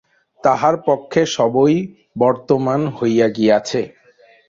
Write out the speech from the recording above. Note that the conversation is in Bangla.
তাহার পক্ষে সবই বর্তমান হইয়া গিয়াছে।